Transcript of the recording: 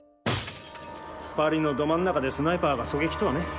パリのど真ん中でスナイパーが狙撃とはね。